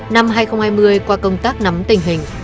năm hai nghìn hai mươi qua công tác nắm tình hình